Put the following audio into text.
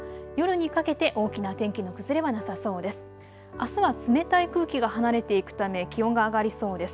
あすは冷たい空気が離れていくため気温が上がりそうです。